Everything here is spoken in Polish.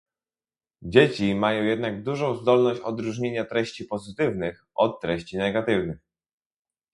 Dzieci mają jednak dużą zdolność odróżnienia treści pozytywnych od treści negatywnych